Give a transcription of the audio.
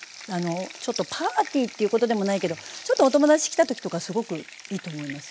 ちょっとパーティーっていうことでもないけどちょっとお友達来た時とかすごくいいと思います。